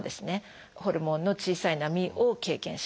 ホルモンの小さい波を経験します。